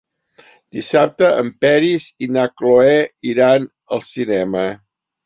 Dissabte en Peris i na Cloè iran al cinema.